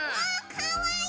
かわいい！